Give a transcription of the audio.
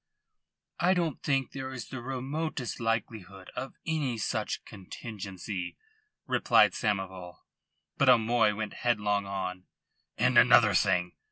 "I don't think there is the remotest likelihood of any such contingency," replied Samoval. But O'Moy went headlong on. "And another thing.